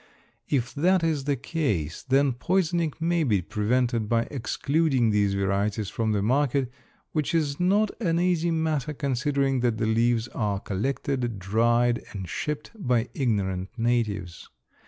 If that is the case, then poisoning may be prevented by excluding these varieties from the market, which is not an easy matter considering that the leaves are collected, dried, and shipped by ignorant natives.